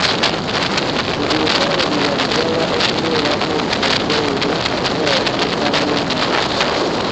Okugulu kwalemera ddala okubeerako enjawulo, era yafuuka mulema.